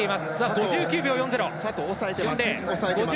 ５９秒４０！